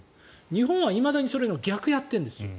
日本はいまだにそれの逆をやってるんです。